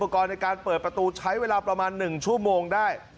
ในการเปิดประตูใช้เวลาประมาณ๑ชั่วโมงได้